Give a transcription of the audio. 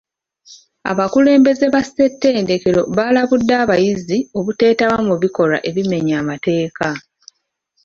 Abakulembeze ba ssetendekero baalabudde abayizi obuteetaba mu bikolwa ebimenya amateeka .